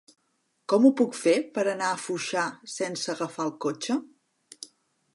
Com ho puc fer per anar a Foixà sense agafar el cotxe?